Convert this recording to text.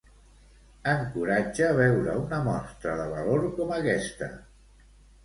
Encoratja veure una mostra de valor com aquesta.